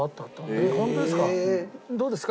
えっホントですか。